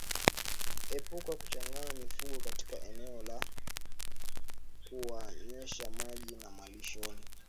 Epuka kuchanganya mifugo katika eneo la kuwanywesha maji na malishoni